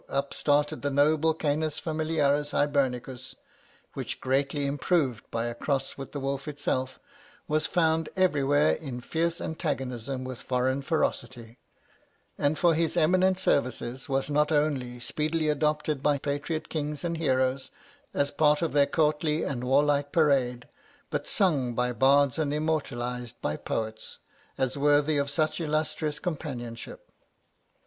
up started the noble Canis familiaris Hibernicus, which, greatly improved by a cross with the wolf itself, was found everywhere in fierce antagonism with foreign ferocity; and for his eminent services was not only speedily adopted by patriot kings and heroes, as part of their courtly and warlike parade, but sung by bards and immortalised by poets, as worthy of such illustrious companionship.